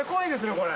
これ。